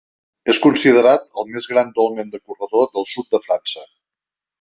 És considerat el més gran dolmen de corredor del sud de França.